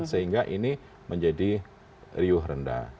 sehingga ini menjadi riuh rendah